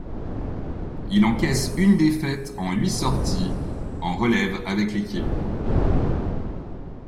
Il encaisse une défaite en huit sorties en relève avec l'équipe.